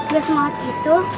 gak semangat gitu